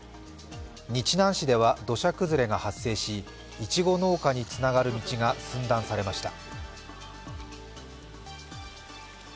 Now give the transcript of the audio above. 日南市では、土砂崩れが発生しいちご農家ににつながる道が寸断されました。